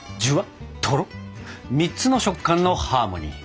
３つの食感のハーモニー。